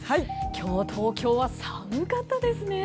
今日、東京は寒かったですね。